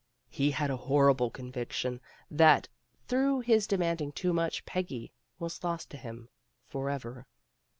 He had a horrible conviction that, through his demanding too much, Peggy was lost to him forever.